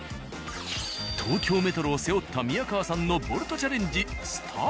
東京メトロを背負った宮川さんのボルトチャレンジスタート。